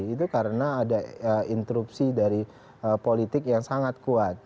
itu karena ada interupsi dari politik yang sangat kuat